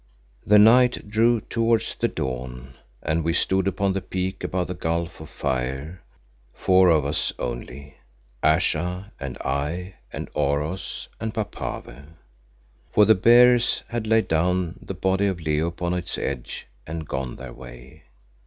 The night drew towards the dawn, and we stood upon the peak above the gulf of fire, four of us only Ayesha and I, and Oros and Papave. For the bearers had laid down the body of Leo upon its edge and gone their way.